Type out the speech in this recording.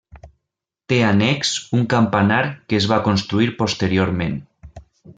Té annex un campanar que es va construir posteriorment.